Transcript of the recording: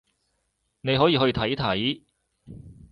你可以去睇睇